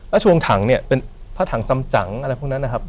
ราชวงศ์ถังเนี่ยถ้าถังสำจังอะไรพวกนั้นนะครับ